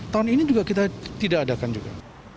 tahun ini juga kita tidak adakan juga